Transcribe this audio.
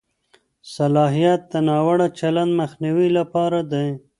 صلاحیت د ناوړه چلند مخنیوي لپاره دی.